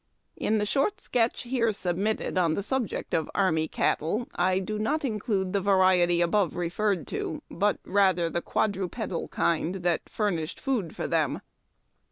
In the short sketch here submitted on the subject of Army Cattle, I do not include the variety above referred to, but rather the quadrupedal kind that furnished food for them.